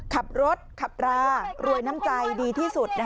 ขับรถขับรารวยน้ำใจดีที่สุด